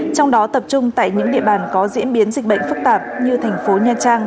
trong đó tập trung tại những địa bàn có diễn biến dịch bệnh phức tạp như thành phố nha trang